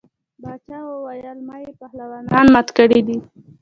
باچا ویل ما یې پهلوانان مات کړي دي.